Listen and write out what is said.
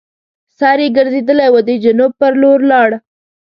سر یې ګرځېدلی وو د جنوب پر لور لاړ.